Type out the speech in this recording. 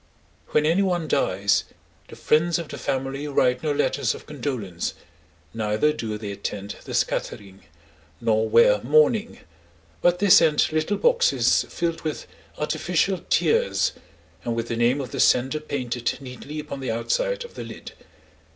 When any one dies, the friends of the family write no letters of condolence, neither do they attend the scattering, nor wear mourning, but they send little boxes filled with artificial tears, and with the name of the sender painted neatly upon the outside of the lid.